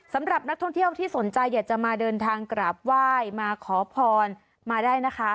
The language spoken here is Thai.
สำหรับนักท่องเที่ยวที่สนใจอยากจะมาเดินทางกราบไหว้มาขอพรมาได้นะคะ